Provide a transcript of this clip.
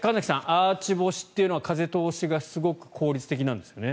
アーチ干しというのは風通しがすごく効率的なんですね。